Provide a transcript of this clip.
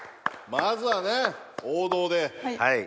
まずはね王道で。